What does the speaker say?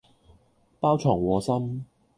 包藏禍心